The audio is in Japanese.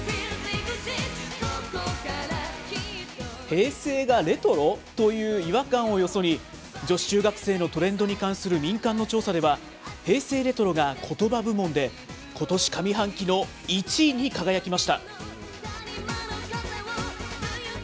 平成がレトロ？という違和感をよそに、女子中学生のトレンドに関する民間の調査では、平成レトロがコトバ部門でことし上半期の１位に輝きました。